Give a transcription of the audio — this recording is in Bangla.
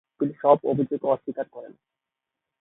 তিনি সব অভিযোগ অস্বীকার করেন।